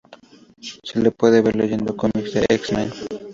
Se le puede ver leyendo cómics de X-Men.